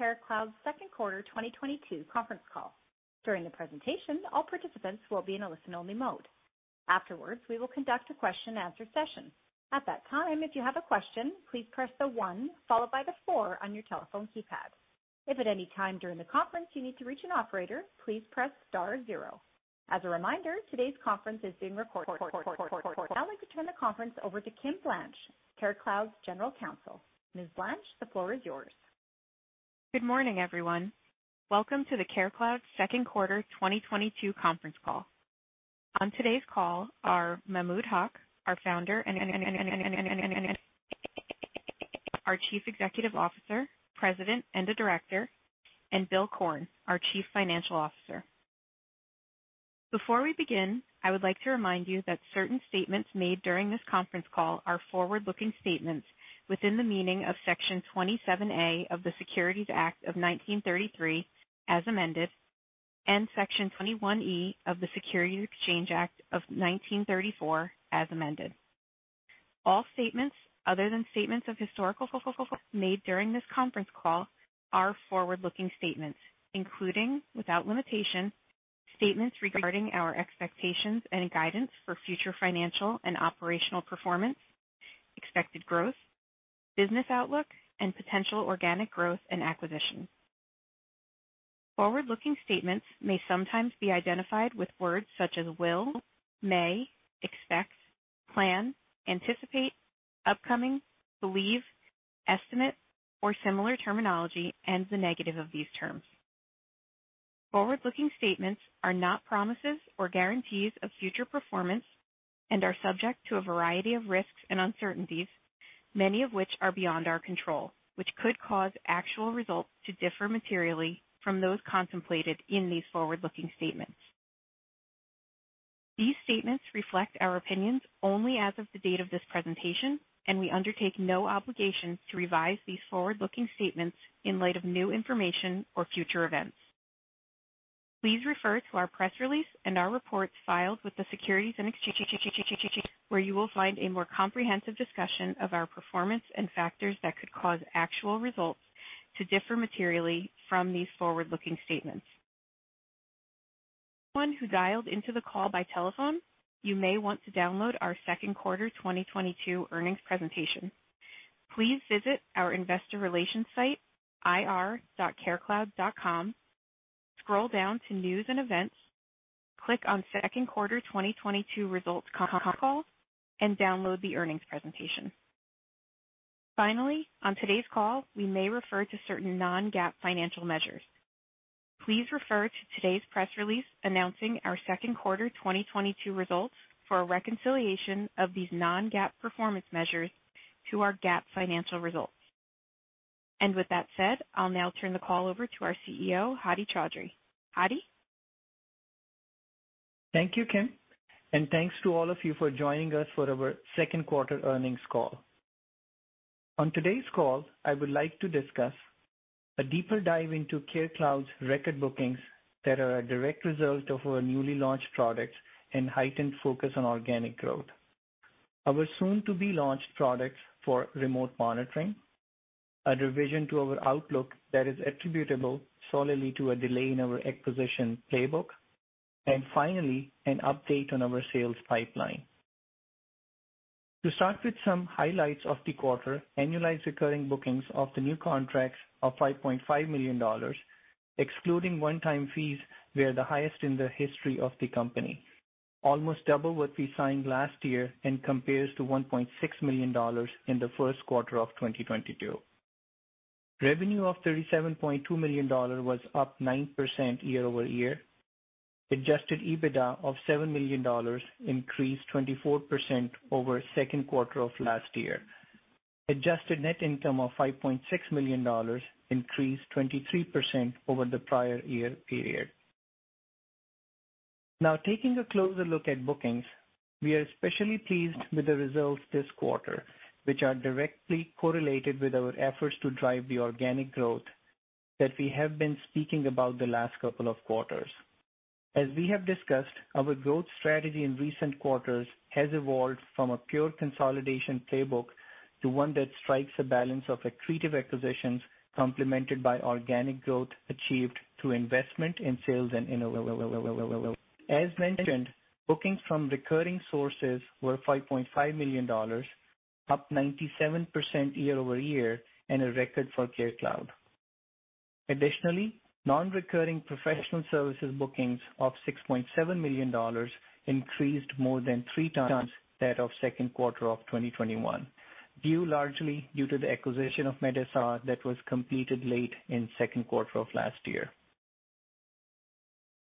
Welcome to CareCloud's Second Quarter 2022 Conference call. During the presentation, all participants will be in a listen-only mode. Afterwards, we will conduct a question and answer session. At that time, if you have a question, please press the one followed by the four on your telephone keypad. If at any time during the conference you need to reach an operator, please press star zero. As a reminder, today's conference is being recorded. Now I'd like to turn the conference over to Kimberly Blanche, CareCloud's general counsel. Ms. Blanche, the floor is yours. Good morning, everyone. Welcome to the CareCloud Second Quarter 2022 Conference call. On today's call are Mahmud Haq, our founder and our Chief Executive Officer, President, and a Director, and Bill Korn, our Chief Financial Officer. Before we begin, I would like to remind you that certain statements made during this conference call are forward-looking statements within the meaning of section 27A of the Securities Act of 1933 as amended, and section 21E of the Securities Exchange Act of 1934 as amended. All statements other than statements of historical fact made during this conference call are forward-looking statements, including without limitation, statements regarding our expectations and guidance for future financial and operational performance, expected growth, business outlook, and potential organic growth and acquisitions. Forward-looking statements may sometimes be identified with words such as will, may, expect, plan, anticipate, upcoming, believe, estimate, or similar terminology and the negative of these terms. Forward-looking statements are not promises or guarantees of future performance and are subject to a variety of risks and uncertainties, many of which are beyond our control, which could cause actual results to differ materially from those contemplated in these forward-looking statements. These statements reflect our opinions only as of the date of this presentation, and we undertake no obligation to revise these forward-looking statements in light of new information or future events. Please refer to our press release and our reports filed with the Securities and Exchange Commission, where you will find a more comprehensive discussion of our performance and factors that could cause actual results to differ materially from these forward-looking statements. Anyone who dialed into the call by telephone, you may want to download our Second Quarter 2022 earnings presentation. Please visit our investor relations site, ir.carecloud.com, scroll down to News & Events, click on Second Quarter 2022 Results call, and download the earnings presentation. Finally, on today's call, we may refer to certain non-GAAP financial measures. Please refer to today's press release announcing our Second Quarter 2022 results for a reconciliation of these non-GAAP performance measures to our GAAP financial results. With that said, I'll now turn the call over to our CEO, Hadi Chaudhry. Hadi. Thank you, Kim, and thanks to all of you for joining us for our second quarter earnings call. On today's call, I would like to discuss a deeper dive into CareCloud's record bookings that are a direct result of our newly launched products and heightened focus on organic growth. Our soon-to-be-launched products for remote monitoring, a revision to our outlook that is attributable solely to a delay in our acquisition playbook, and finally, an update on our sales pipeline. To start with some highlights of the quarter, annualized recurring bookings of the new contracts of $5.5 million, excluding one-time fees, were the highest in the history of the company, almost double what we signed last year and compares to $1.6 million in the first quarter of 2022. Revenue of $37.2 million was up 9% year-over-year. Adjusted EBITDA of $7 million increased 24% over second quarter of last year. Adjusted net income of $5.6 million increased 23% over the prior year period. Now taking a closer look at bookings, we are especially pleased with the results this quarter, which are directly correlated with our efforts to drive the organic growth that we have been speaking about the last couple of quarters. As we have discussed, our growth strategy in recent quarters has evolved from a pure consolidation playbook to one that strikes a balance of accretive acquisitions complemented by organic growth achieved through investment in sales. As mentioned, bookings from recurring sources were $5.5 million, up 97% year-over-year and a record for CareCloud. Additionally, non-recurring professional services bookings of $6.7 million increased more than three times that of second quarter of 2021, due largely to the acquisition of medSR that was completed late in second quarter of last year.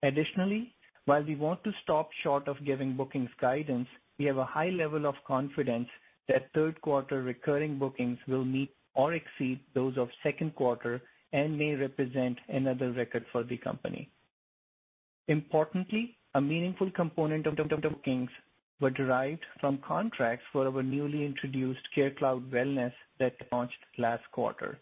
Additionally, while we want to stop short of giving bookings guidance, we have a high level of confidence that third quarter recurring bookings will meet or exceed those of second quarter and may represent another record for the company. Importantly, a meaningful component of bookings were derived from contracts for our newly introduced CareCloud Wellness that launched last quarter.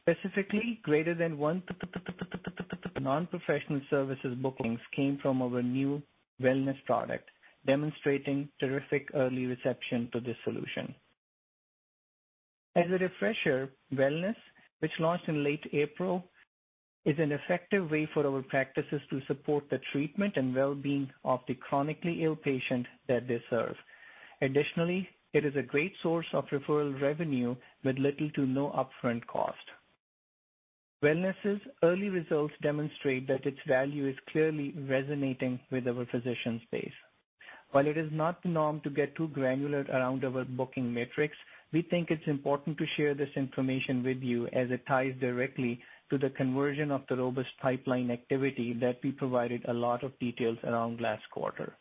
Specifically, greater than 10% of non-recurring professional services bookings came from our new wellness product, demonstrating terrific early reception to this solution. As a refresher, Wellness, which launched in late April, is an effective way for our practices to support the treatment and well-being of the chronically ill patient that they serve. Additionally, it is a great source of referral revenue with little to no upfront cost. Wellness' early results demonstrate that its value is clearly resonating with our physician space. While it is not the norm to get too granular around our booking metrics, we think it's important to share this information with you as it ties directly to the conversion of the robust pipeline activity that we provided a lot of details around last quarter.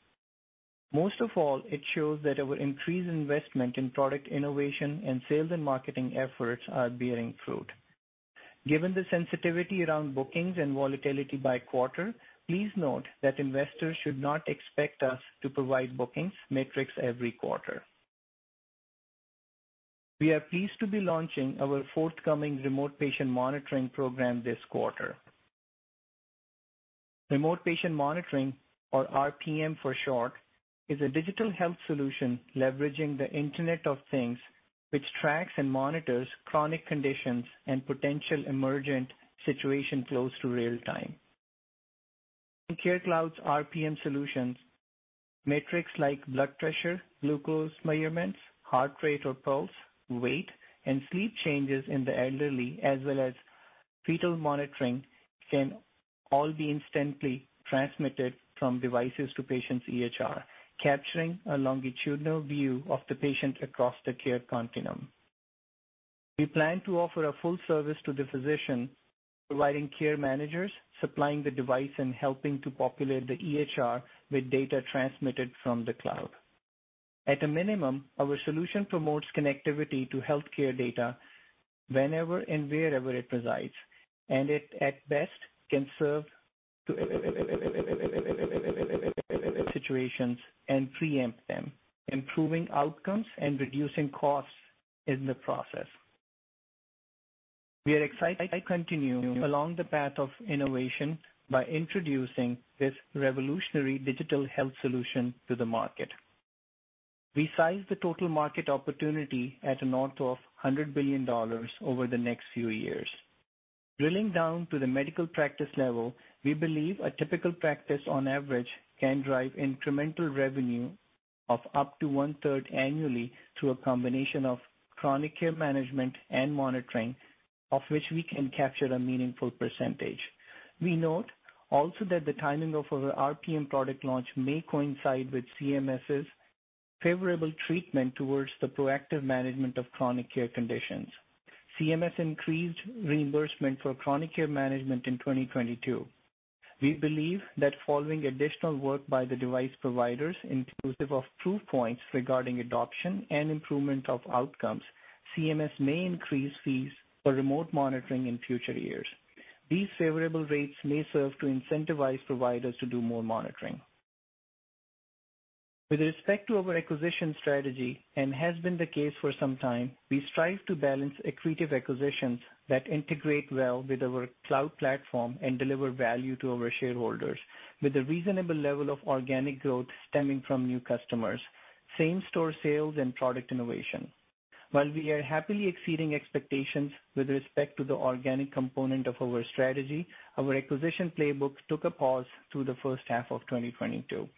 Most of all, it shows that our increased investment in product innovation and sales and marketing efforts are bearing fruit. Given the sensitivity around bookings and volatility by quarter, please note that investors should not expect us to provide bookings metrics every quarter. We are pleased to be launching our forthcoming remote patient monitoring program this quarter. Remote patient monitoring, or RPM for short, is a digital health solution leveraging the Internet of Things which tracks and monitors chronic conditions and potential emergent situations in real time. In CareCloud's RPM solutions, metrics like blood pressure, glucose measurements, heart rate or pulse, weight, and sleep changes in the elderly, as well as fetal monitoring, can all be instantly transmitted from devices to patients' EHR, capturing a longitudinal view of the patient across the care continuum. We plan to offer a full service to the physician, providing care managers, supplying the device, and helping to populate the EHR with data transmitted from the cloud. At a minimum, our solution promotes connectivity to healthcare data whenever and wherever it resides, and it at best can serve to situations and preempt them, improving outcomes and reducing costs in the process. We are excited to continue along the path of innovation by introducing this revolutionary digital health solution to the market. We size the total market opportunity at north of $100 billion over the next few years. Drilling down to the medical practice level, we believe a typical practice on average can drive incremental revenue of up to 1/3 annually through a combination of chronic care management and monitoring, of which we can capture a meaningful percentage. We note also that the timing of our RPM product launch may coincide with CMS' favorable treatment towards the proactive management of chronic care conditions. CMS increased reimbursement for chronic care management in 2022. We believe that following additional work by the device providers, inclusive of proof points regarding adoption and improvement of outcomes, CMS may increase fees for remote monitoring in future years. These favorable rates may serve to incentivize providers to do more monitoring. With respect to our acquisition strategy, as has been the case for some time, we strive to balance accretive acquisitions that integrate well with our cloud platform and deliver value to our shareholders with a reasonable level of organic growth stemming from new customers, same-store sales and product innovation. While we are happily exceeding expectations with respect to the organic component of our strategy, our acquisition playbook took a pause through the first half of 2022.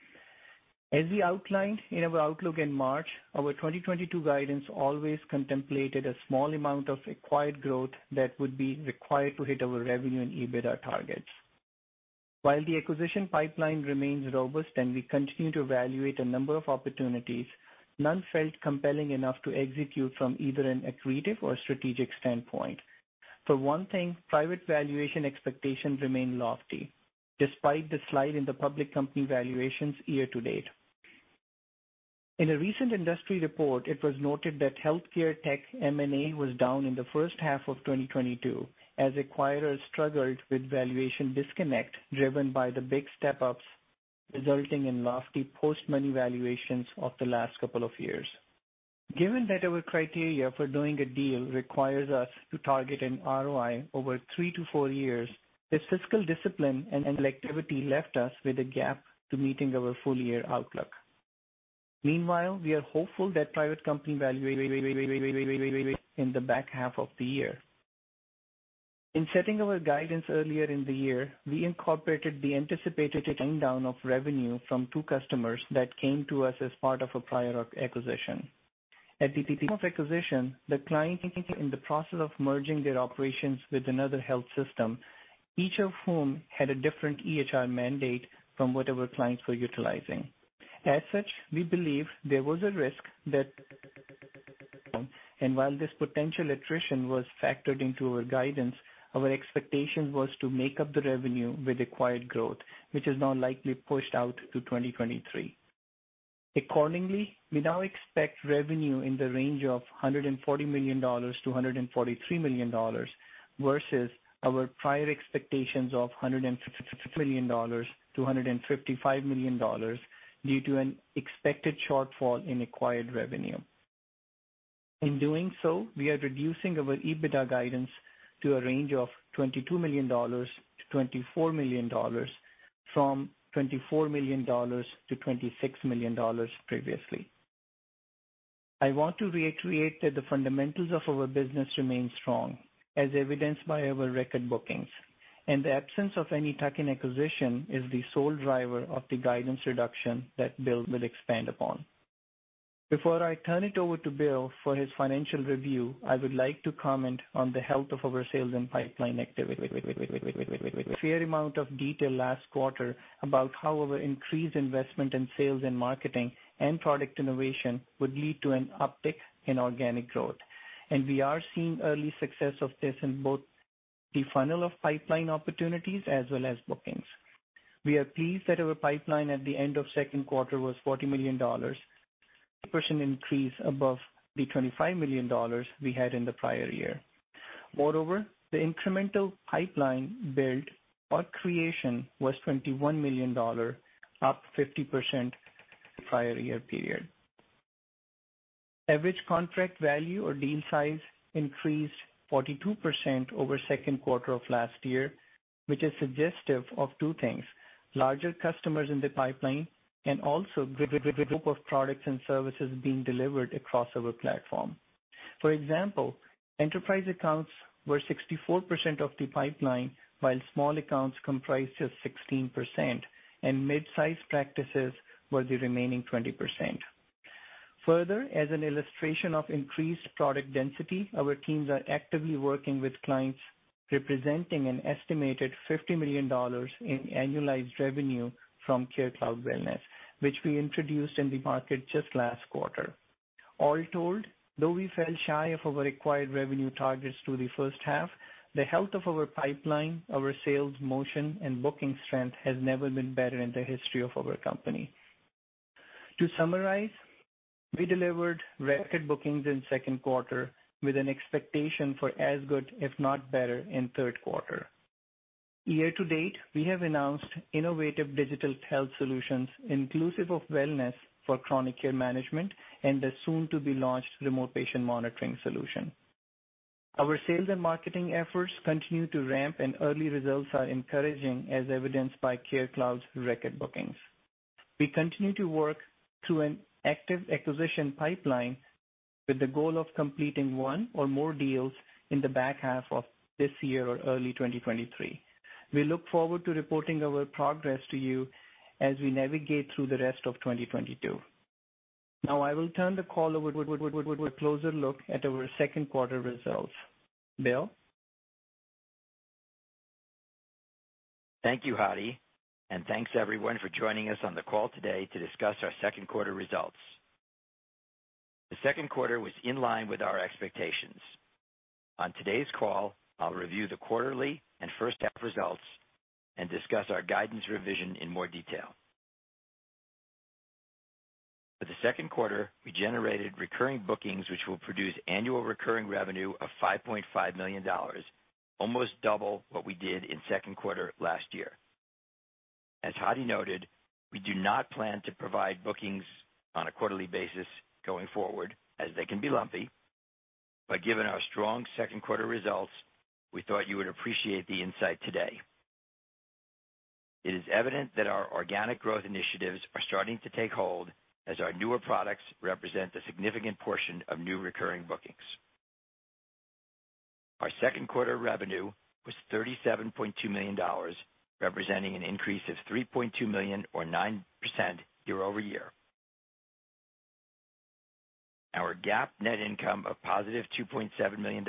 As we outlined in our outlook in March, our 2022 guidance always contemplated a small amount of acquired growth that would be required to hit our revenue and EBITDA targets. While the acquisition pipeline remains robust and we continue to evaluate a number of opportunities, none felt compelling enough to execute from either an accretive or strategic standpoint. For one thing, private valuation expectations remain lofty despite the slide in the public company valuations year to date. In a recent industry report, it was noted that healthcare tech M&A was down in the first half of 2022 as acquirers struggled with valuation disconnect driven by the big step-ups resulting in lofty post-money valuations of the last couple of years. Given that our criteria for doing a deal requires us to target an ROI over 3-4 years, this fiscal discipline and selectivity left us with a gap to meeting our full year outlook. Meanwhile, we are hopeful that private company valuations will increase in the back half of the year. In setting our guidance earlier in the year, we incorporated the anticipated wind down of revenue from two customers that came to us as part of a prior acquisition. At the time of acquisition, the client was in the process of merging their operations with another health system, each of whom had a different EHR mandate from what our clients were utilizing. As such, we believe there was a risk, and while this potential attrition was factored into our guidance, our expectation was to make up the revenue with acquired growth, which is now likely pushed out to 2023. Accordingly, we now expect revenue in the range of $140 million-$143 million versus our prior expectations of $150 million-$155 million due to an expected shortfall in acquired revenue. In doing so, we are reducing our EBITDA guidance to a range of $22 million-$24 million from $24 million-$26 million previously. I want to reiterate that the fundamentals of our business remain strong as evidenced by our record bookings, and the absence of any tuck-in acquisition is the sole driver of the guidance reduction that Bill will expand upon. Before I turn it over to Bill for his financial review, I would like to comment on the health of our sales and pipeline activity. Fair amount of detail last quarter about how our increased investment in sales and marketing and product innovation would lead to an uptick in organic growth. We are seeing early success of this in both the funnel of pipeline opportunities as well as bookings. We are pleased that our pipeline at the end of second quarter was $40 million, increase above the $25 million we had in the prior-year period. Moreover, the incremental pipeline built or creation was $21 million, up 50% prior-year period. Average contract value or deal size increased 42% over second quarter of last year, which is suggestive of two things. Larger customers in the pipeline and also group of products and services being delivered across our platform. For example, enterprise accounts were 64% of the pipeline, while small accounts comprised of 16% and mid-size practices were the remaining 20%. Further, as an illustration of increased product density, our teams are actively working with clients representing an estimated $50 million in annualized revenue from CareCloud Wellness, which we introduced in the market just last quarter. All told, though we fell shy of our required revenue targets through the first half, the health of our pipeline, our sales motion and bookings strength has never been better in the history of our company. To summarize, we delivered record bookings in second quarter with an expectation for as good, if not better in third quarter. Year-to- date, we have announced innovative digital health solutions inclusive of wellness for chronic care management and the soon to be launched remote patient monitoring solution. Our sales and marketing efforts continue to ramp and early results are encouraging as evidenced by CareCloud's record bookings. We continue to work through an active acquisition pipeline with the goal of completing one or more deals in the back half of this year or early 2023. We look forward to reporting our progress to you as we navigate through the rest of 2022. Now I will turn the call over, a closer look at our second quarter results. Bill? Thank you, Hadi, and thanks everyone for joining us on the call today to discuss our second quarter results. The second quarter was in line with our expectations. On today's call, I'll review the quarterly and first half results and discuss our guidance revision in more detail. For the second quarter, we generated recurring bookings, which will produce annual recurring revenue of $5.5 million, almost double what we did in second quarter last year. As Hadi noted, we do not plan to provide bookings on a quarterly basis going forward, as they can be lumpy. Given our strong second quarter results, we thought you would appreciate the insight today. It is evident that our organic growth initiatives are starting to take hold as our newer products represent a significant portion of new recurring bookings. Our second quarter revenue was $37.2 million, representing an increase of $3.2 million or 9% year-over-year. Our GAAP net income of positive $2.7 million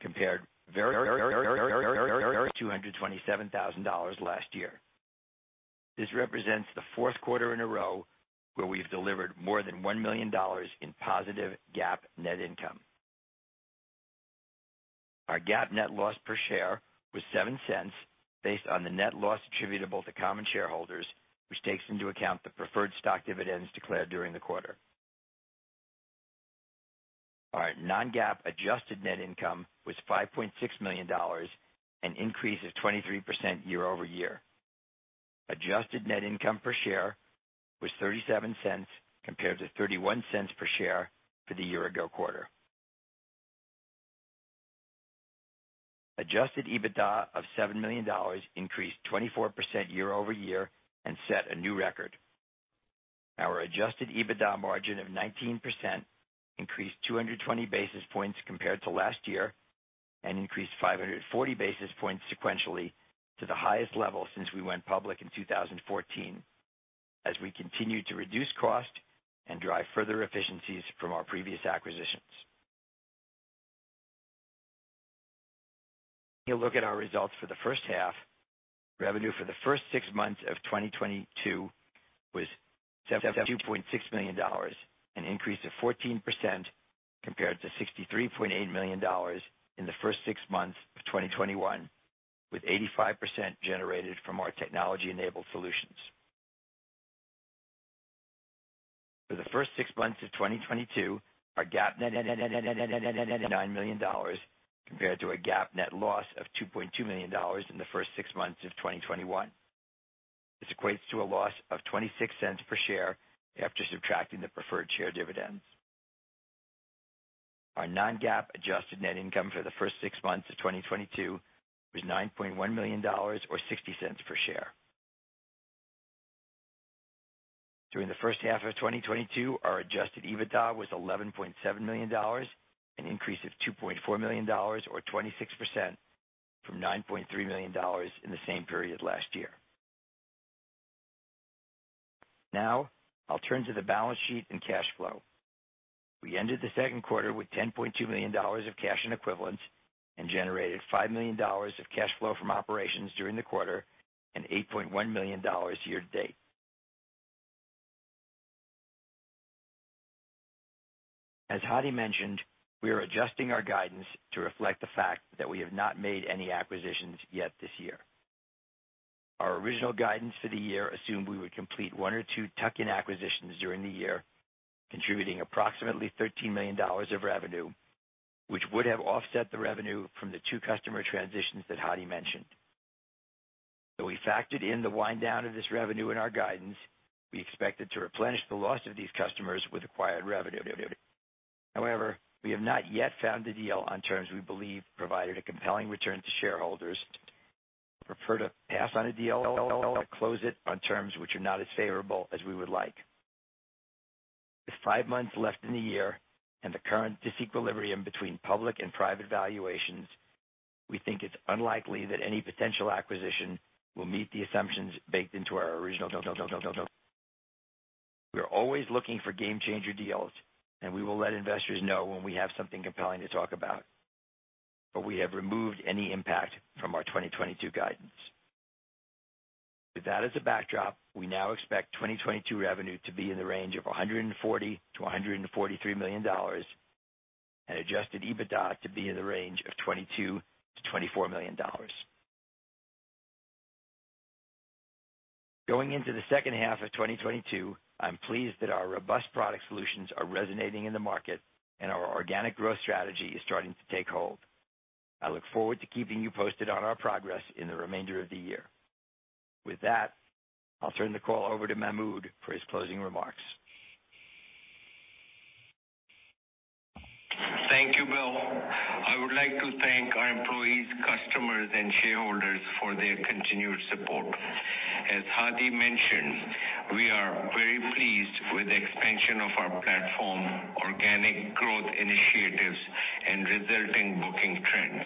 compared to $227,000 last year. This represents the fourth quarter in a row where we've delivered more than $1 million in positive GAAP net income. Our GAAP net loss per share was $0.07 based on the net loss attributable to common shareholders, which takes into account the preferred stock dividends declared during the quarter. Our non-GAAP adjusted net income was $5.6 million, an increase of 23% year-over-year. Adjusted net income per share was $0.37 compared to $0.31 per share for the year-ago quarter. Adjusted EBITDA of $7 million increased 24% year-over-year and set a new record. Our Adjusted EBITDA margin of 19% increased 220 basis points compared to last year and increased 540 basis points sequentially to the highest level since we went public in 2014. As we continue to reduce cost and drive further efficiencies from our previous acquisitions. Taking a look at our results for the first half. Revenue for the first six months of 2022 was $2.6 million, an increase of 14% compared to $63.8 million in the first six months of 2021, with 85% generated from our technology-enabled solutions. For the first six months of 2022, our GAAP net loss of $9 million compared to a GAAP net loss of $2.2 million in the first six months of 2021. This equates to a loss of $0.26 per share after subtracting the preferred share dividends. Our non-GAAP adjusted net income for the first six months of 2022 was $9.1 million, or $0.60 per share. During the first half of 2022, our Adjusted EBITDA was $11.7 million, an increase of $2.4 million or 26% from $9.3 million in the same period last year. Now I'll turn to the balance sheet and cash flow. We ended the second quarter with $10.2 million of cash and equivalents and generated $5 million of cash flow from operations during the quarter, and $8.1 million year-to-date. As Hadi mentioned, we are adjusting our guidance to reflect the fact that we have not made any acquisitions yet this year. Our original guidance for the year assumed we would complete one or two tuck-in acquisitions during the year, contributing approximately $13 million of revenue, which would have offset the revenue from the two customer transitions that Hadi mentioned. Though we factored in the wind down of this revenue in our guidance, we expected to replenish the loss of these customers with acquired revenue. However, we have not yet found a deal on terms we believe provided a compelling return to shareholders. Prefer to pass on a deal, close it on terms which are not as favorable as we would like. With five months left in the year and the current disequilibrium between public and private valuations, we think it's unlikely that any potential acquisition will meet the assumptions baked into our original. We are always looking for game changer deals, and we will let investors know when we have something compelling to talk about, but we have removed any impact from our 2022 guidance. With that as a backdrop, we now expect 2022 revenue to be in the range of $140 million-$143 million and Adjusted EBITDA to be in the range of $22 million-$24 million. Going into the second half of 2022, I'm pleased that our robust product solutions are resonating in the market and our organic growth strategy is starting to take hold. I look forward to keeping you posted on our progress in the remainder of the year. With that, I'll turn the call over to Mahmud for his closing remarks. Thank you, Bill. I would like to thank our employees, customers and shareholders for their continued support. As Hadi mentioned, we are very pleased with the expansion of our platform, organic growth initiatives and resulting booking trends.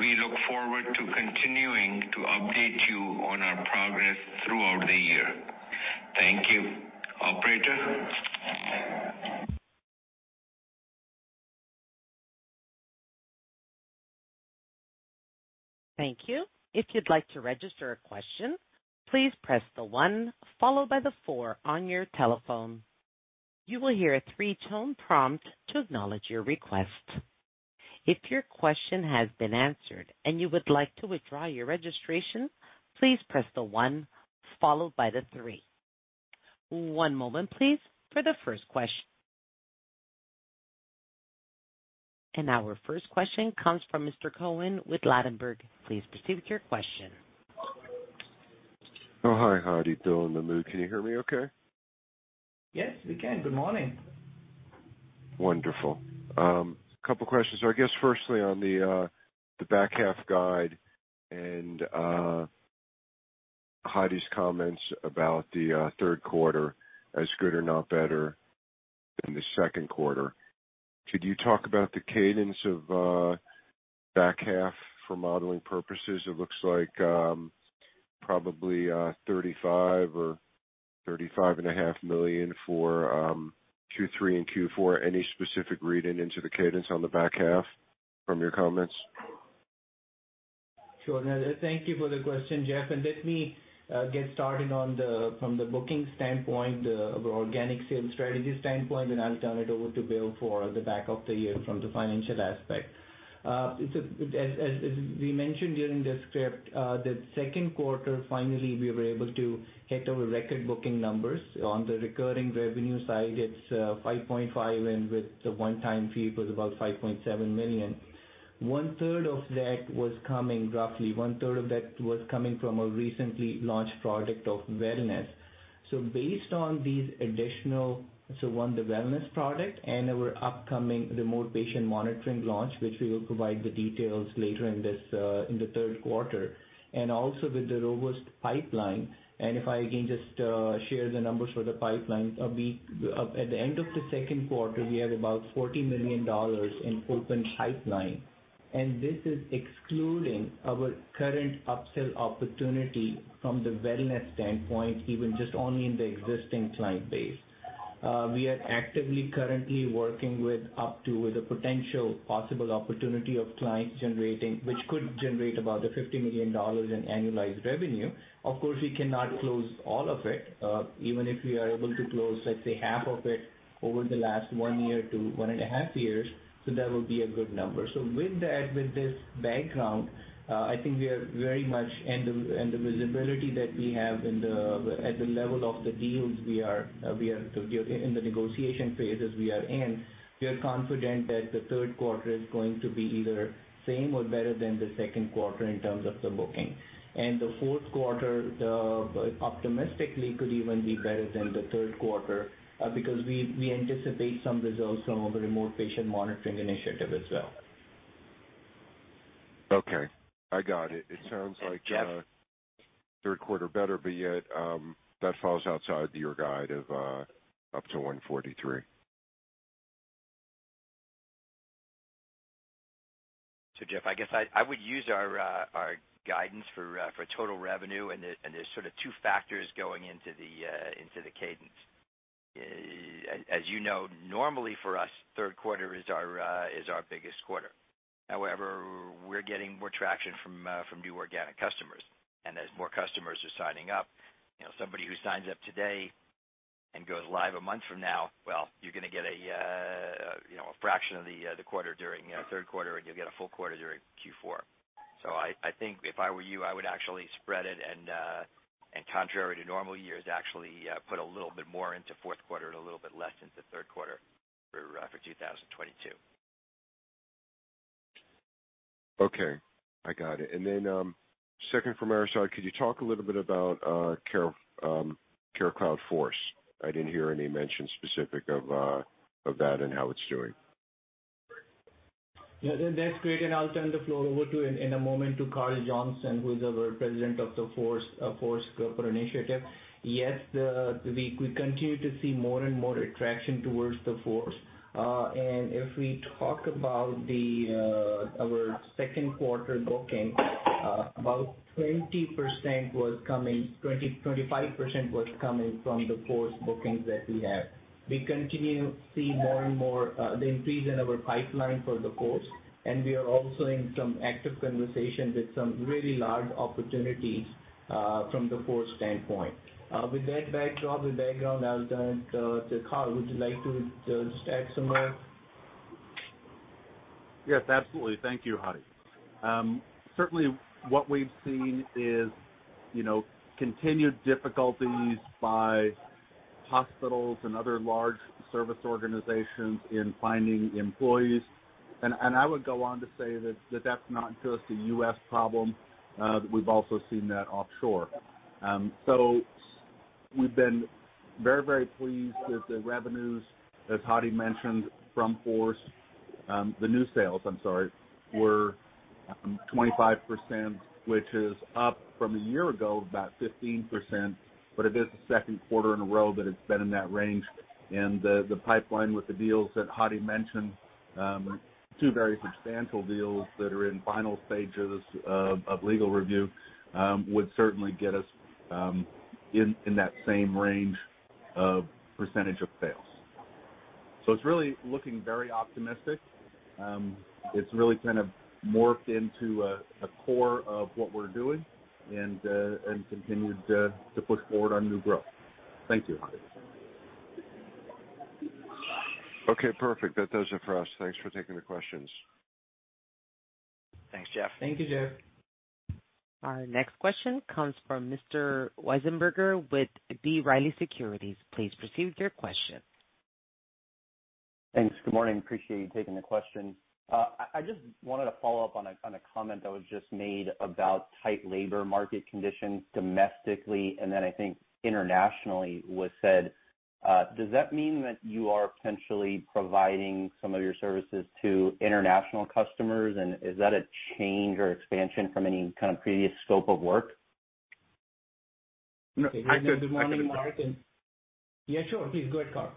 We look forward to continuing to update you on our progress throughout the year. Thank you. Operator? Thank you. If you'd like to register a question, please press the one followed by the four on your telephone. You will hear a three-tone prompt to acknowledge your request. If your question has been answered and you would like to withdraw your registration, please press the one followed by the three. One moment please for the first question. Our first question comes from Mr. Cohen with Ladenburg Thalmann. Please proceed with your question. Oh, hi, Hadi, Bill, Mahmud. Can you hear me okay? Yes, we can. Good morning. Wonderful. A couple questions. I guess firstly on the back half guide and Hadi's comments about the third quarter as good or not better than the second quarter. Could you talk about the cadence of back half for modeling purposes? It looks like probably $35 million or $35.5 million for Q3 and Q4. Any specific read-through into the cadence on the back half from your comments? Sure. Thank you for the question, Jeff. Let me get started from the booking standpoint, organic sales strategy standpoint, then I'll turn it over to Bill for the back half of the year from the financial aspect. As we mentioned during the script, that second quarter, finally we were able to hit our record booking numbers. On the recurring revenue side, it's 5.5, and with the one-time fee, it was about $5.7 million. Roughly one third of that was coming from a recently launched product of Wellness. Based on these additional, so one, the Wellness product and our upcoming Remote Patient Monitoring Launch, which we will provide the details later in this in the third quarter. Also with the robust pipeline. If I again, just, share the numbers for the pipeline. At the end of the second quarter, we have about $40 million in open pipeline, and this is excluding our current upsell opportunity from the wellness standpoint, even just only in the existing client base. We are actively currently working with up to the potential possible opportunity of clients which could generate about $50 million in annualized revenue. Of course, we cannot close all of it, even if we are able to close, let's say, half of it over the last one year to one and a half years. So that would be a good number. With that, with this background, I think the visibility that we have into the level of the deals we are in the negotiation phases we are in. We are confident that the third quarter is going to be either the same or better than the second quarter in terms of the bookings. The fourth quarter optimistically could even be better than the third quarter because we anticipate some results from our Remote Patient Monitoring initiative as well. Okay, I got it. Jeff? Third quarter better, but yet, that falls outside your guide of up to $143. Jeff, I guess I would use our guidance for total revenue, and there's sort of two factors going into the cadence. As you know, normally for us, third quarter is our biggest quarter. However, we're getting more traction from new organic customers. And as more customers are signing up, you know, somebody who signs up today and goes live a month from now, well, you're gonna get a fraction of the quarter during third quarter, and you'll get a full quarter during Q4. I think if I were you, I would actually spread it and, contrary to normal years, actually, put a little bit more into fourth quarter and a little bit less into third quarter for 2022. Okay. I got it. Second from our side, could you talk a little bit about our CareCloud Force? I didn't hear any specific mention of that and how it's doing. Yeah, that's great. I'll turn the floor over to him in a moment to Karl Johnson, who is our president of the Force corporate initiative. Yes, we continue to see more and more attraction towards the Force. If we talk about our second quarter booking, about 25% was coming from the Force bookings that we have. We continue to see more and more the increase in our pipeline for the Force, and we are also in some active conversations with some really large opportunities from the Force standpoint. With that backdrop and background, I'll turn it to Karl. Would you like to add some more? Yes, absolutely. Thank you, Hadi. Certainly what we've seen is, you know, continued difficulties by hospitals and other large service organizations in finding employees. I would go on to say that that's not just a U.S. problem, but we've also seen that offshore. We've been very, very pleased with the revenues, as Hadi mentioned, from Force. The new sales, I'm sorry, were 25%, which is up from a year-ago, about 15%. It is the second quarter in a row that it's been in that range. The pipeline with the deals that Hadi mentioned, two very substantial deals that are in final stages of legal review, would certainly get us in that same range of percentage of sales. It's really looking very optimistic. It's really kind of morphed into a core of what we're doing and continued to push forward our new growth. Thank you, Hadi. Okay, perfect. That does it for us. Thanks for taking the questions. Thanks, Jeff. Thank you, Jeff. Our next question comes from Mr. Weisenberger with B. Riley Securities. Please proceed with your question. Thanks. Good morning. Appreciate you taking the question. I just wanted to follow up on a comment that was just made about tight labor market conditions domestically, and then I think internationally was said. Does that mean that you are potentially providing some of your services to international customers? Is that a change or expansion from any kind of previous scope of work? Good morning, Marc. No, I could. Yeah, sure. Please go ahead, Karl.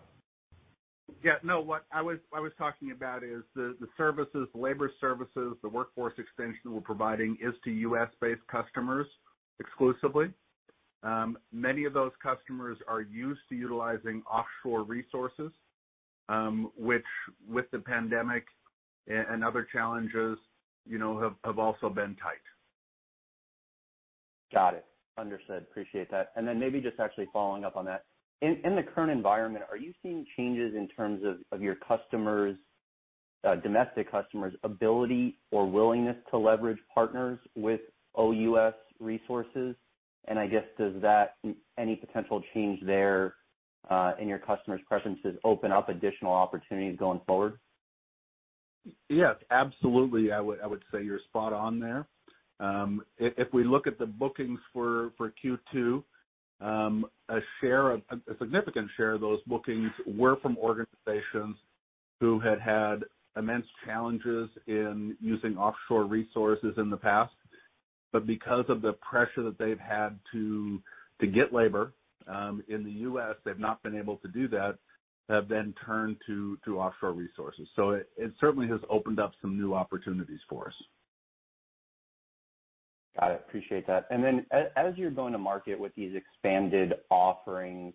Yeah, no, what I was talking about is the services, the labor services, the workforce extension we're providing is to U.S.-based customers exclusively. Many of those customers are used to utilizing offshore resources, which with the pandemic and other challenges, you know, have also been tight. Got it. Understood. Appreciate that. Maybe just actually following up on that. In the current environment, are you seeing changes in terms of your customers' domestic customers' ability or willingness to leverage partners with OUS resources? I guess, does that any potential change there in your customers' preferences open up additional opportunities going forward? Yes, absolutely. I would say you're spot on there. If we look at the bookings for Q2, a significant share of those bookings were from organizations who had immense challenges in using offshore resources in the past. Because of the pressure that they've had to get labor in the U.S., they've not been able to do that, have then turned to offshore resources. It certainly has opened up some new opportunities for us. Got it. Appreciate that. As you're going to market with these expanded offerings,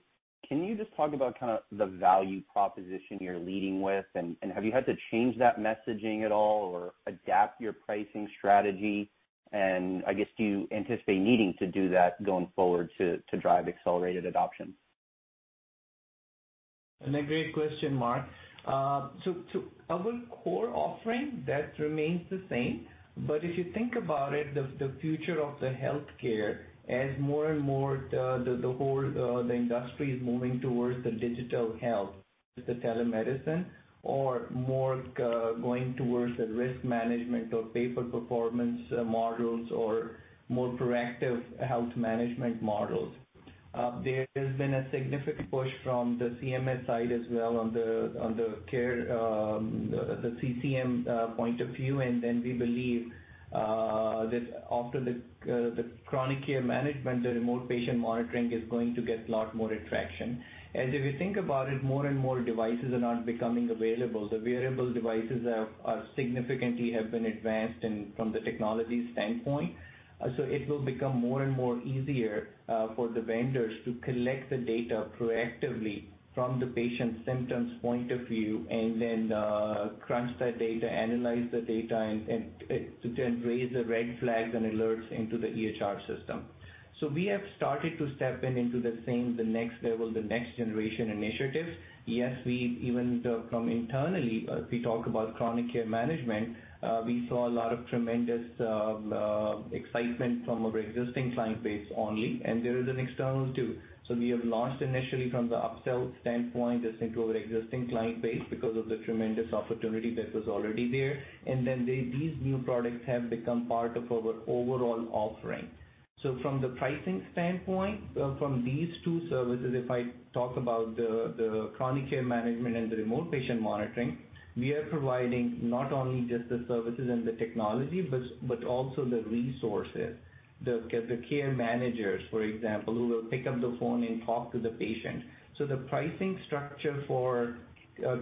can you just talk about kinda the value proposition you're leading with? Have you had to change that messaging at all or adapt your pricing strategy? I guess, do you anticipate needing to do that going forward to drive accelerated adoption? A great question, Mark. Our core offering, that remains the same. If you think about it, the future of the healthcare as more and more the whole industry is moving towards the digital health with the telemedicine or more going towards the risk management or pay-for-performance models or more proactive health management models. There has been a significant push from the CMS side as well on the care, the CCM point of view. Then we believe that after the Chronic Care Management, the Remote Patient Monitoring is going to get lot more attraction. If you think about it, more and more devices are now becoming available. The wearable devices are significantly advanced from the technology standpoint. It will become more and more easier for the vendors to collect the data proactively from the patient's symptoms point of view and then crunch that data, analyze the data and to then raise the red flags and alerts into the EHR system. We have started to step in into the same, the next level, the next generation initiative. Yes, we even from internally we talk about Chronic Care Management. We saw a lot of tremendous excitement from our existing client base only, and there is an external too. We have launched initially from the upsell standpoint just into our existing client base because of the tremendous opportunity that was already there. Then these new products have become part of our overall offering. From the pricing standpoint, from these two services, if I talk about the Chronic Care Management and the Remote Patient Monitoring, we are providing not only just the services and the technology, but also the resources. The care managers, for example, who will pick up the phone and talk to the patient. The pricing structure for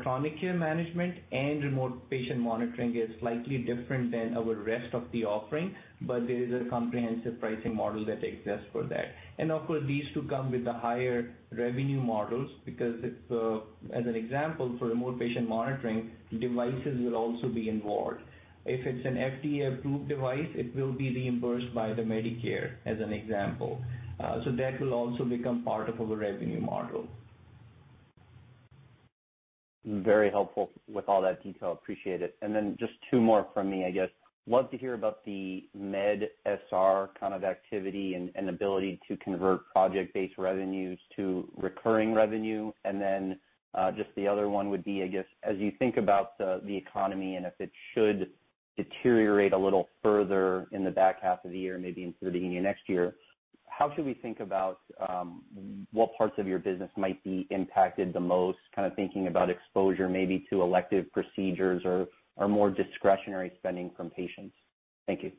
Chronic Care Management and Remote Patient Monitoring is slightly different than our rest of the offering, but there is a comprehensive pricing model that exists for that. Of course these two come with the higher revenue models because if as an example for Remote Patient Monitoring, devices will also be involved. If it's an FDA-approved device, it will be reimbursed by Medicare, as an example. That will also become part of our revenue model. Very helpful with all that detail. Appreciate it. Just two more from me, I guess. Love to hear about the medSR kind of activity and ability to convert project-based revenues to recurring revenue. Just the other one would be, I guess, as you think about the economy and if it should deteriorate a little further in the back half of the year, maybe into the beginning of next year, how should we think about what parts of your business might be impacted the most? Kinda thinking about exposure maybe to elective procedures or more discretionary spending from patients. Thank you.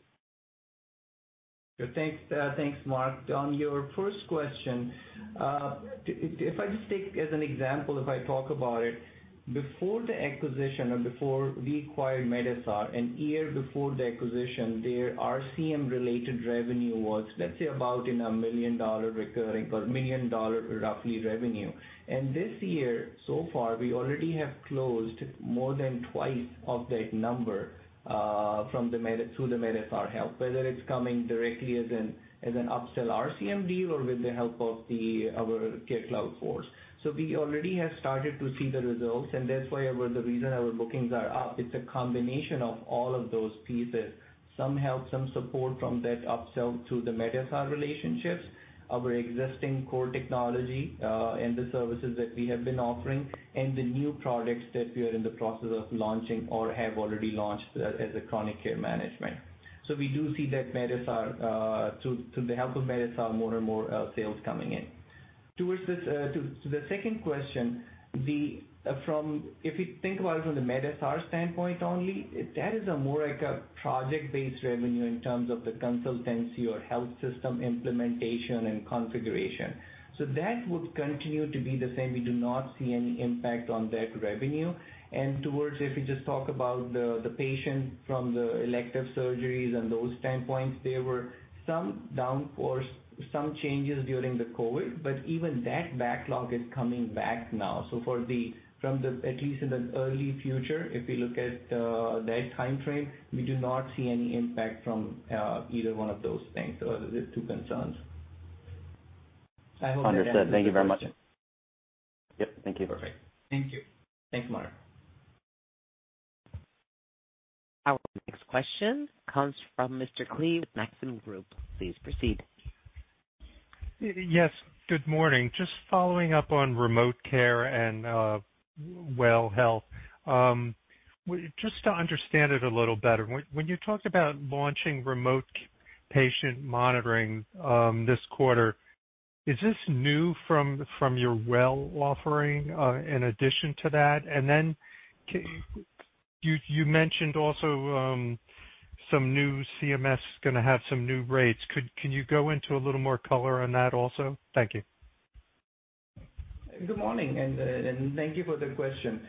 Thanks. Thanks, Mark. On your first question, if I just take as an example, if I talk about it, before the acquisition or before we acquired medSR, the year before the acquisition, their RCM-related revenue was, let's say, about $1 million recurring or $1 million roughly revenue. This year, so far, we already have closed more than twice of that number, through the medSR help. Whether it's coming directly as an upsell RCM deal or with the help of our CareCloud Core. We already have started to see the results, and that's the reason our bookings are up. It's a combination of all of those pieces. Some help, some support from that upsell through the medSR relationships, our existing core technology, and the services that we have been offering, and the new products that we are in the process of launching or have already launched as chronic care management. We do see that medSR, through the help of medSR, more and more sales coming in. Towards this, to the second question, if you think about it from the medSR standpoint only, that is more like a project-based revenue in terms of the consultancy or health system implementation and configuration. That would continue to be the same. We do not see any impact on that revenue. To address if you just talk about the patient from the elective surgeries and those standpoints, there were some downward force, some changes during the COVID, but even that backlog is coming back now. At least in the near future, if we look at that timeframe, we do not see any impact from either one of those things or the two concerns. I hope I answered the question. Understood. Thank you very much. Yep, thank you. Perfect. Thank you. Thanks, Mark. Our next question comes from Mr. Klee with Maxim Group. Please proceed. Yes, good morning. Just following up on remote care and Wellness. Just to understand it a little better. When you talk about launching Remote Patient Monitoring this quarter, is this new from your Wellness offering in addition to that? And then, you mentioned also some new CMS is gonna have some new rates. Can you go into a little more color on that also? Thank you. Good morning, thank you for the question.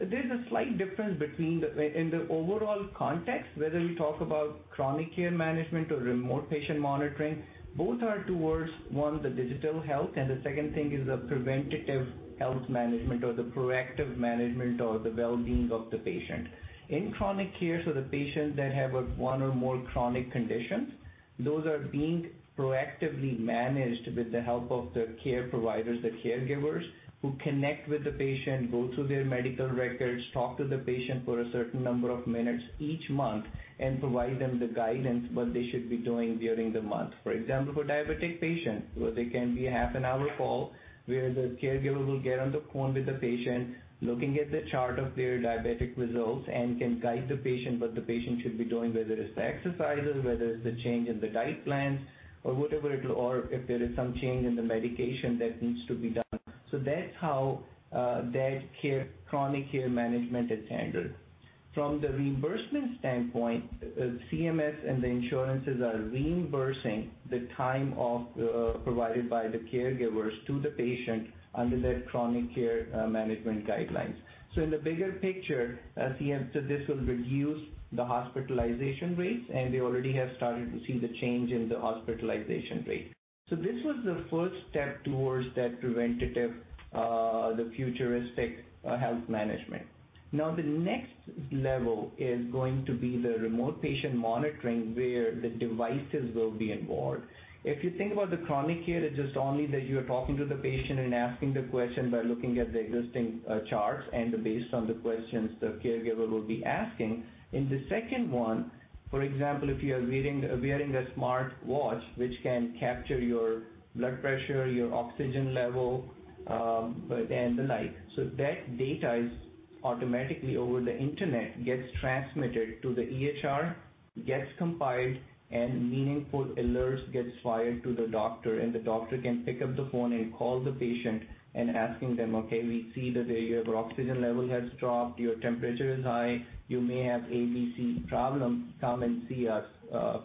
There's a slight difference between them. In the overall context, whether we talk about Chronic Care Management or Remote Patient Monitoring, both are towards, one, the digital health, and the second thing is the preventative health management or the proactive management or the well-being of the patient. In Chronic Care, the patients that have one or more chronic conditions. Those are being proactively managed with the help of the care providers, the caregivers, who connect with the patient, go through their medical records, talk to the patient for a certain number of minutes each month, and provide them the guidance what they should be doing during the month. For example, for diabetic patients, where they can be a half-hour call where the caregiver will get on the phone with the patient, looking at the chart of their diabetic results, and can guide the patient what the patient should be doing, whether it's exercises, whether it's the change in the diet plans or whatever it will. If there is some change in the medication that needs to be done. That's how that care, Chronic Care Management is handled. From the reimbursement standpoint, CMS and the insurances are reimbursing the time of provided by the caregivers to the patient under that Chronic Care Management guidelines. In the bigger picture, this will reduce the hospitalization rates, and they already have started to see the change in the hospitalization rate. This was the first step towards that preventative, the futuristic, health management. Now, the next level is going to be the Remote Patient Monitoring, where the devices will be involved. If you think about the chronic care, it's just only that you're talking to the patient and asking the question by looking at the existing, charts and based on the questions the caregiver will be asking. In the second one, for example, if you are wearing a smartwatch which can capture your blood pressure, your oxygen level, and the like. That data is automatically over the internet gets transmitted to the EHR, gets compiled, and meaningful alerts gets fired to the doctor, and the doctor can pick up the phone and call the patient and asking them, "Okay, we see that your oxygen level has dropped, your temperature is high. You may have ABC problem. Come and see us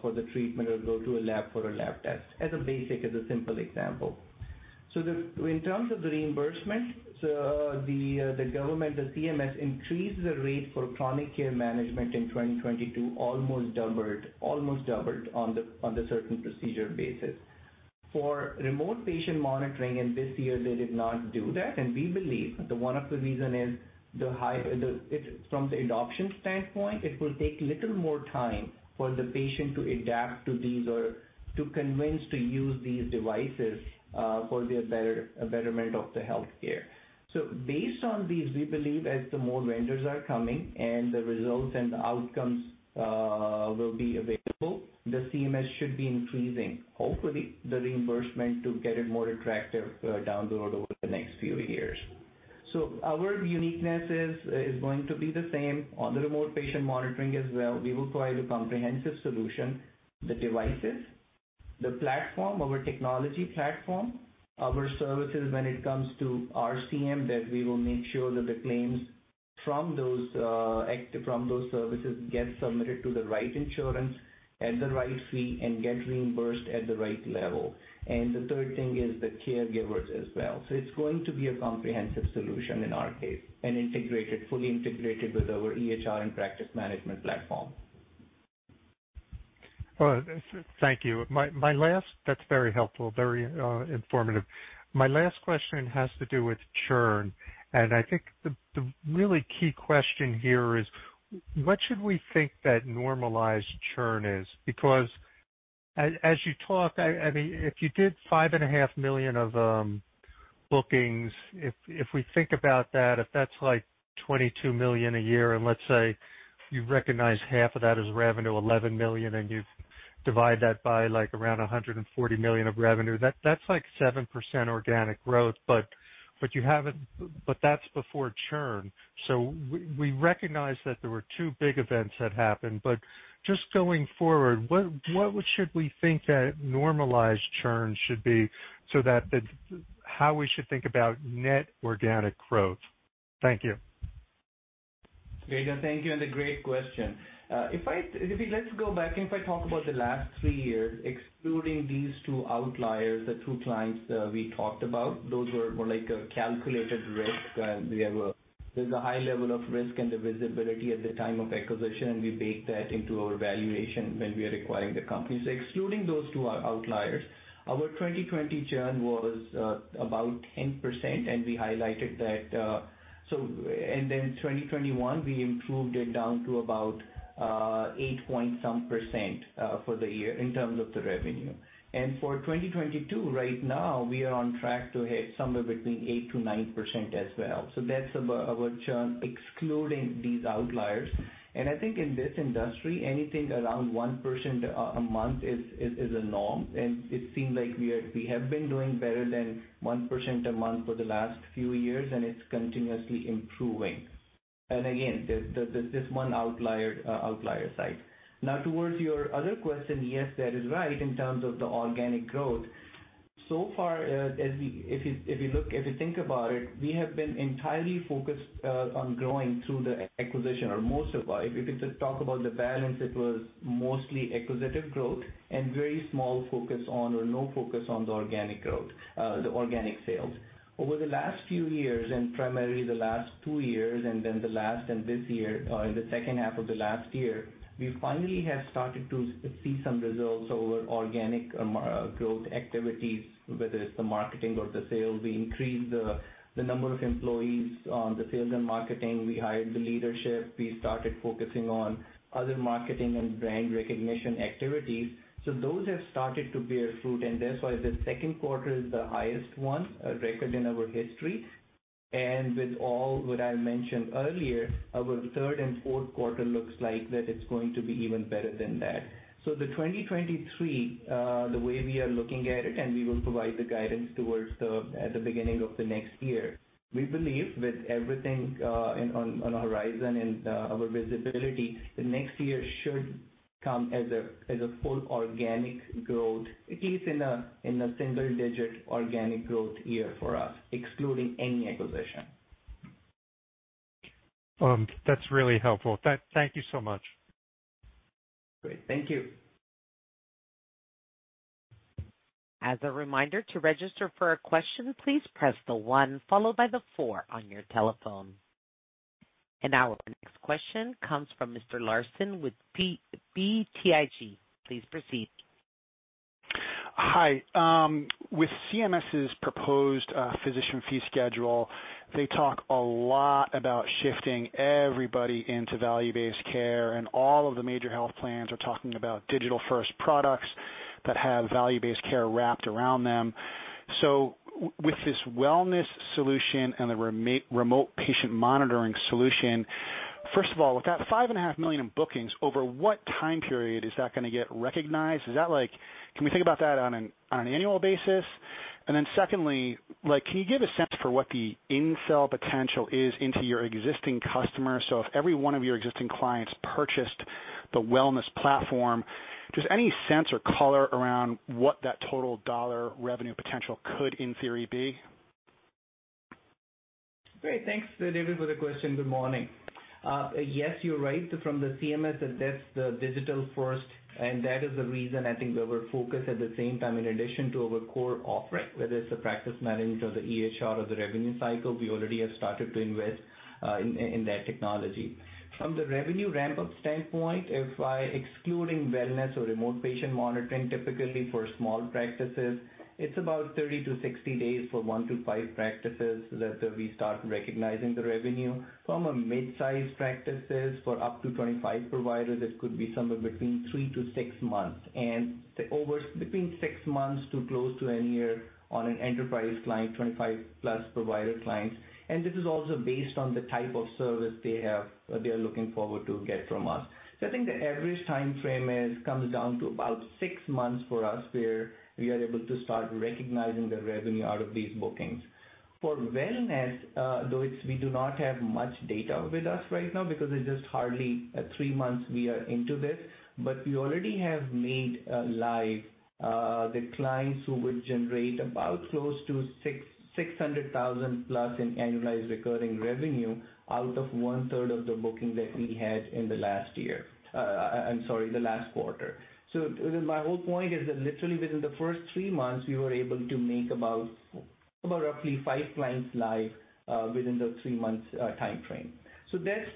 for the treatment or go to a lab for a lab test, as a basic, as a simple example. In terms of the reimbursement, the government, the CMS increased the rate for Chronic Care Management in 2020 to almost doubled on the certain procedure basis. For Remote Patient Monitoring in this year, they did not do that. We believe that one of the reasons is the high from the adoption standpoint. It will take little more time for the patient to adapt to these or to convince to use these devices for the betterment of the healthcare. Based on these, we believe as more vendors are coming and the results and the outcomes will be available, the CMS should be increasing, hopefully, the reimbursement to get it more attractive down the road over the next few years. Our uniqueness is going to be the same. On the remote patient monitoring as well, we will provide a comprehensive solution. The devices, the platform, our technology platform, our services when it comes to RCM, that we will make sure that the claims from those activities from those services get submitted to the right insurance at the right fee and get reimbursed at the right level. The third thing is the caregivers as well. It's going to be a comprehensive solution in our case and integrated, fully integrated with our EHR and practice management platform. Well, thank you. My last. That's very helpful, very informative. My last question has to do with churn. I think the really key question here is what should we think that normalized churn is? Because as you talk, I mean, if you did $5.5 million of bookings, if we think about that, if that's like $22 million a year, and let's say you recognize half of that as revenue, $11 million, and you divide that by like around $140 million of revenue, that's like 7% organic growth. But that's before churn. We recognize that there were two big events that happened. Just going forward, what should we think that normalized churn should be so that how we should think about net organic growth? Thank you. Great. Thank you, and a great question. Let's go back. If I talk about the last three years, excluding these two outliers, the two clients that we talked about, those were more like a calculated risk. There's a high level of risk and the visibility at the time of acquisition, and we bake that into our valuation when we are acquiring the company. Excluding those two outliers, our 2020 churn was about 10%, and we highlighted that. Then 2021, we improved it down to about 8 point some percent for the year in terms of the revenue. For 2022, right now we are on track to hit somewhere between 8%-9% as well. That's our churn excluding these outliers. I think in this industry, anything around 1% a month is a norm. It seems like we have been doing better than 1% a month for the last few years, and it's continuously improving. Again, this one outlier aside. Now towards your other question, yes, that is right in terms of the organic growth. So far, as if you look, if you think about it, we have been entirely focused on growing through the acquisition or most of our. If you just talk about the balance, it was mostly acquisitive growth and very small focus on or no focus on the organic growth, the organic sales. Over the last few years and primarily the last two years and then the last year and this year, the second half of the last year, we finally have started to see some results over organic growth activities, whether it's the marketing or the sales. We increased the number of employees on the sales and marketing. We hired the leadership. We started focusing on other marketing and brand recognition activities. Those have started to bear fruit, and that's why the second quarter is the highest one, record in our history. With all what I mentioned earlier, our third and fourth quarter looks like that it's going to be even better than that. The 2023, the way we are looking at it, and we will provide the guidance at the beginning of the next year. We believe with everything on the horizon and our visibility, the next year should come as a full organic growth, at least in a single digit organic growth year for us, excluding any acquisition. That's really helpful. Thank you so much. Great. Thank you. As a reminder, to register for a question, please press the one followed by the four on your telephone. Now our next question comes from Mr. Larsen with BTIG. Please proceed. Hi. With CMS's proposed physician fee schedule, they talk a lot about shifting everybody into value-based care, and all of the major health plans are talking about digital-first products that have value-based care wrapped around them. With this Wellness solution and the Remote Patient Monitoring solution, first of all, with that $5.5 million in bookings, over what time period is that gonna get recognized? Is that like, can we think about that on an annual basis? Secondly, like, can you give a sense for what the upsell potential is into your existing customers? If every one of your existing clients purchased the Wellness platform, just any sense or color around what that total dollar revenue potential could, in theory, be? Great. Thanks, David, for the question. Good morning. Yes, you're right. From the CMS, that's the digital first, and that is the reason I think we were focused at the same time, in addition to our core offering, whether it's the practice management or the EHR or the revenue cycle, we already have started to invest in that technology. From the revenue ramp-up standpoint, if by excluding wellness or remote patient monitoring, typically for small practices, it's about 30-60 days for 1-5 practices that we start recognizing the revenue. From mid-size practices for up to 25 providers, it could be somewhere between 3-6 months. Or between six months to close to a year on an enterprise client, 25+ provider clients. This is also based on the type of service they have, they are looking forward to get from us. I think the average timeframe is comes down to about six months for us, where we are able to start recognizing the revenue out of these bookings. For wellness, though it's, we do not have much data with us right now because it's just hardly three months we are into this. We already have made live the clients who would generate about close to $600,000+ in annualized recurring revenue out of 1/3 of the booking that we had in the last year. I'm sorry, the last quarter. My whole point is that literally within the first three months, we were able to make about roughly five clients live within the three months time frame. That's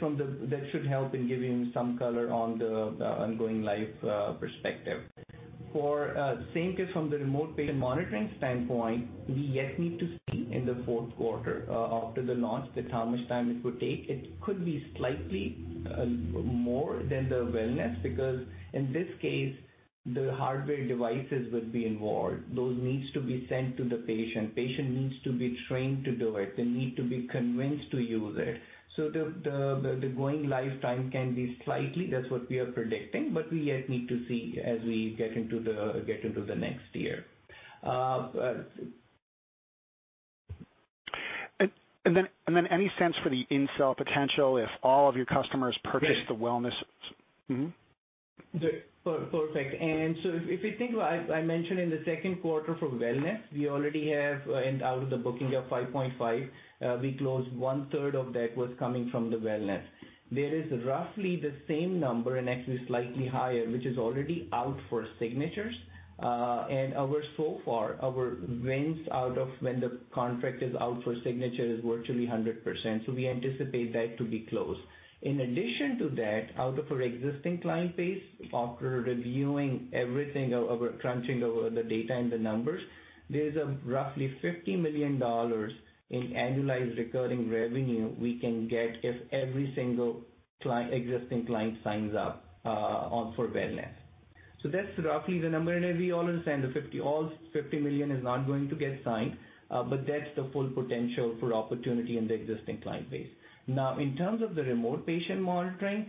from that should help in giving some color on the ongoing live perspective. For same case from the Remote Patient Monitoring standpoint, we yet need to see in the fourth quarter after the launch that how much time it would take. It could be slightly more than the wellness because in this case, the hardware devices would be involved. Those needs to be sent to the patient. Patient needs to be trained to do it. They need to be convinced to use it. The going live time can be slightly. That's what we are predicting. But we yet need to see as we get into the next year. any sense for the upsell potential if all of your customers purchase the Wellness? Right. Mm-hmm. Perfect. If we think about, I mentioned in the second quarter for wellness, we already have, and out of the booking of $5.5, we closed one third of that was coming from the wellness. There is roughly the same number and actually slightly higher, which is already out for signatures. So far, our wins out of when the contract is out for signature is virtually 100%. We anticipate that to be closed. In addition to that, out of our existing client base, after reviewing everything, our crunching of the data and the numbers, there's roughly $50 million in annualized recurring revenue we can get if every single existing client signs up on for wellness. That's roughly the number. As we always say, the $50 million, all $50 million is not going to get signed, but that's the full potential for opportunity in the existing client base. Now, in terms of the remote patient monitoring,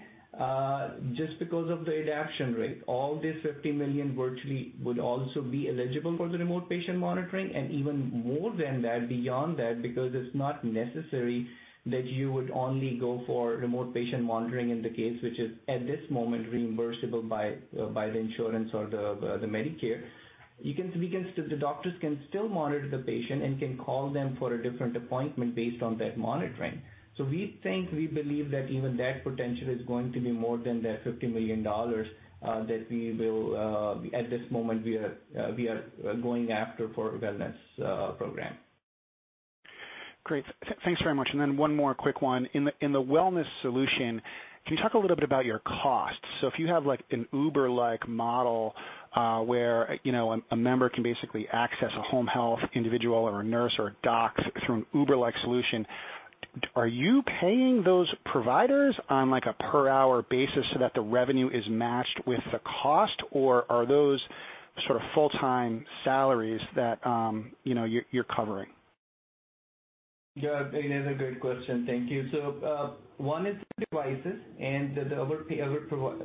just because of the adoption rate, all this $50 million virtually would also be eligible for the remote patient monitoring and even more than that, beyond that, because it's not necessary that you would only go for remote patient monitoring in the case, which is at this moment reimbursable by the insurance or the Medicare. The doctors can still monitor the patient and can call them for a different appointment based on that monitoring. We think, we believe that even that potential is going to be more than the $50 million that we will, at this moment, we are going after for wellness program. Great. Thanks very much. One more quick one. In the wellness solution, can you talk a little bit about your costs? If you have like an Uber-like model, where you know a member can basically access a home health individual or a nurse or a doc through an Uber-like solution. Are you paying those providers on like a per hour basis so that the revenue is matched with the cost, or are those sort of full-time salaries that, you know, you're covering? Yeah, that's a great question. Thank you. One is the devices and the other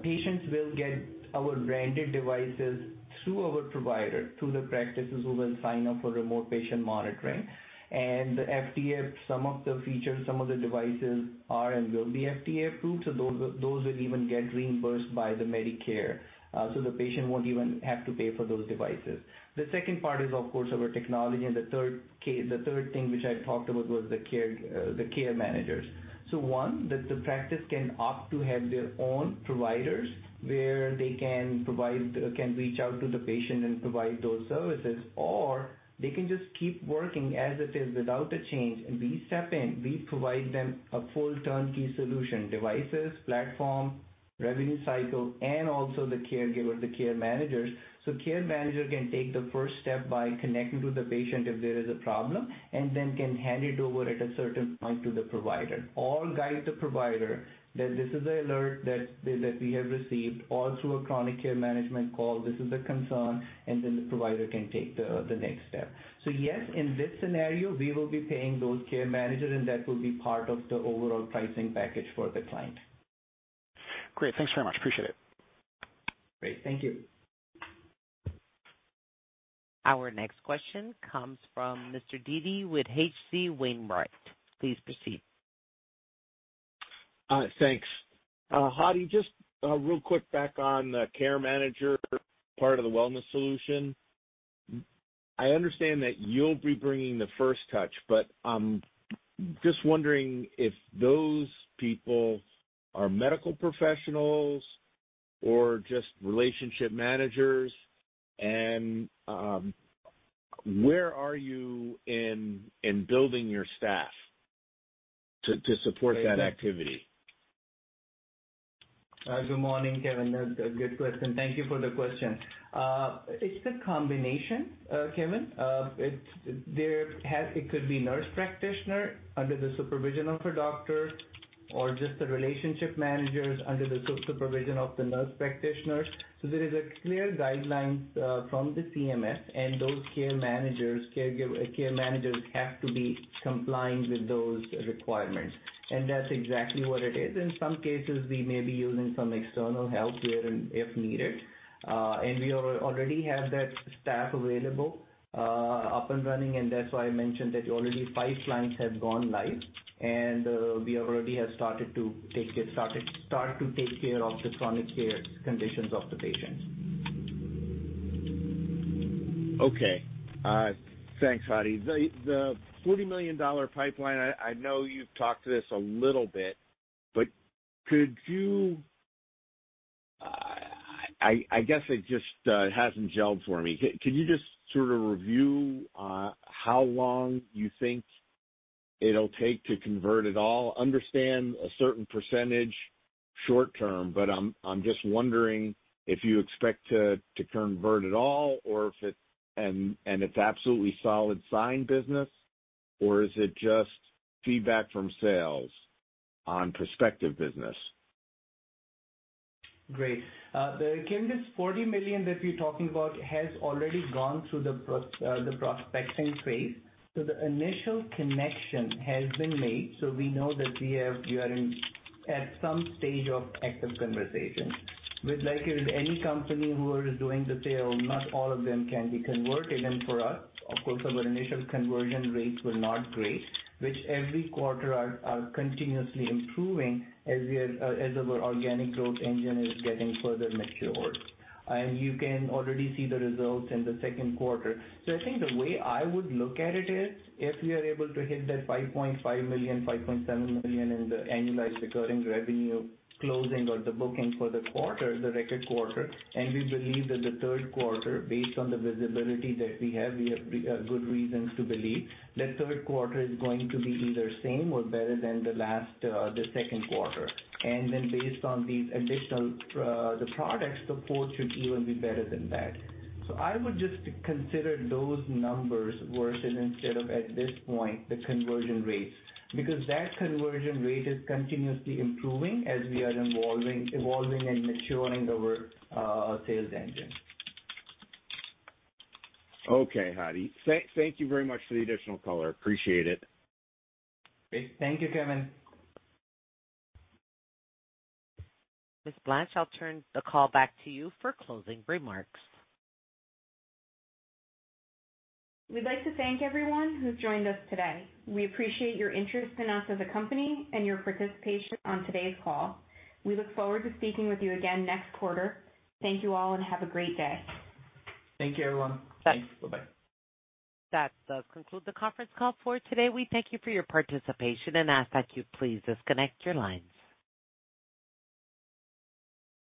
patients will get our branded devices through our provider, through the practices who will sign up for Remote Patient Monitoring. The FDA, some of the features, some of the devices are and will be FDA approved, so those will even get reimbursed by Medicare, so the patient won't even have to pay for those devices. The second part is, of course, our technology. The third case, the third thing which I talked about was the care managers. One, that the practice can opt to have their own providers, where they can provide, can reach out to the patient and provide those services, or they can just keep working as it is without a change, and we step in. We provide them a full turnkey solution, devices, platform, revenue cycle, and also the caregiver, the care managers. Care manager can take the first step by connecting to the patient if there is a problem, and then can hand it over at a certain point to the provider or guide the provider that this is an alert that we have received or through a chronic care management call, this is the concern, and then the provider can take the next step. Yes, in this scenario we will be paying those care managers, and that will be part of the overall pricing package for the client. Great. Thanks very much. Appreciate it. Great. Thank you. Our next question comes from Mr. Dede with H.C. Wainwright. Please proceed. Thanks. Hadi, just real quick back on the care manager part of the wellness solution. I understand that you'll be bringing the first touch, but I'm just wondering if those people are medical professionals or just relationship managers. Where are you in building your staff to support that activity? Good morning, Kevin. That's a good question. Thank you for the question. It's the combination, Kevin. It could be nurse practitioner under the supervision of a doctor or just the relationship managers under the supervision of the nurse practitioners. There is clear guidelines from the CMS and those care managers have to be complying with those requirements. That's exactly what it is. In some cases, we may be using some external help here if needed. We already have that staff available up and running, and that's why I mentioned that already five clients have gone live. We already have started to take care of the chronic care conditions of the patients. Okay. Thanks, Hadi. The $40 million pipeline, I know you've talked to this a little bit, but I guess it just hasn't gelled for me. Can you just sort of review how long you think it'll take to convert it all? I understand a certain percentage short term, but I'm just wondering if you expect to convert it all or if it's absolutely solid signed business, or is it just feedback from sales on prospective business? Great. Kevin, this $40 million that you're talking about has already gone through the process, the prospecting phase. The initial connection has been made, so we know that we are in at some stage of active conversation. With, like, with any company who are doing the sale, not all of them can be converted. For us, of course, our initial conversion rates were not great, which every quarter are continuously improving as our organic growth engine is getting further matured. You can already see the results in the second quarter. I think the way I would look at it is, if we are able to hit that $5.5 million-$5.7 million in the annualized recurring revenue closing or the booking for the quarter, the record quarter, and we believe that the third quarter, based on the visibility that we have, we have good reasons to believe that third quarter is going to be either same or better than the last, the second quarter. Then based on these additional, the products, the fourth should even be better than that. I would just consider those numbers versus instead of at this point the conversion rates. Because that conversion rate is continuously improving as we are evolving and maturing our sales engine. Okay, Hadi. Thank you very much for the additional color. Appreciate it. Great. Thank you, Kevin. Ms. Blanche, I'll turn the call back to you for closing remarks. We'd like to thank everyone who's joined us today. We appreciate your interest in us as a company and your participation on today's call. We look forward to speaking with you again next quarter. Thank you all and have a great day. Thank you, everyone. Thanks. Bye-bye. That, concludes the conference call for today. We thank you for your participation and ask that you please disconnect your lines.